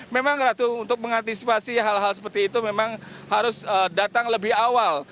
memang ratu untuk mengantisipasi hal hal seperti itu memang harus datang lebih awal